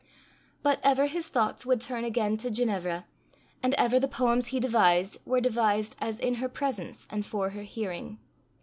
But ever his thoughts would turn again to Ginevra, and ever the poems he devised were devised as in her presence and for her hearing.